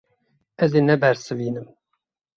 Ez ê nebersivînim.